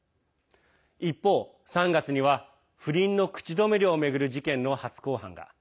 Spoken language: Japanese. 一方、３月には不倫の口止め料を巡る事件の初公判が。